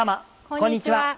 こんにちは。